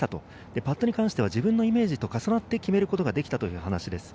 パットは自分のイメージと重なって決めることができたという話です。